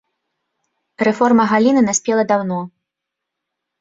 Рэформа галіны наспела даўно.